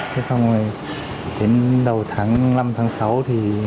thế xong rồi đến đầu tháng năm tháng sáu thì